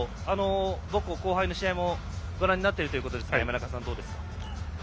母校、後輩の試合もご覧になっていると思いますが山中さん、どうですか。